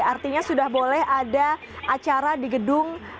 artinya sudah boleh ada acara di gedung